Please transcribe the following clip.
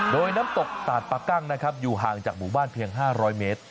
โดยน้ำตกตาดปะกั้งนะครับอยู่ห่างจากหมู่บ้านเพียง๕๐๐เมตร